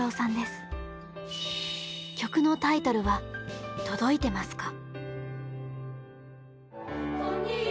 曲のタイトルは「とどいてますか」。